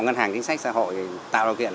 ngân hàng chính sách xã hội tạo điều kiện